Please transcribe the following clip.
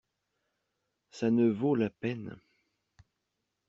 Ça ne vaut la peine.